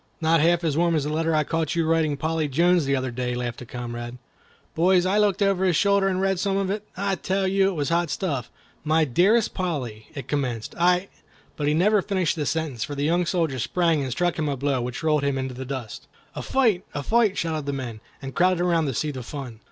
"Not half as warm as the letter I caught you writing to Polly Jones the other day," laughed a comrade. "Boys, I looked over his shoulder and read some of it. I tell you it was hot stuff. 'My dearest Polly!' it commenced, 'I——' " But he never finished the sentence, for the young soldier sprang and struck him a blow which rolled him in the dust. "A fight! a fight!" shouted the men, and crowded around to see the fun.